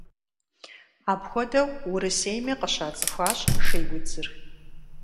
Апхуэдэу Урысейми къыщацӏыхуащ шейудзыр.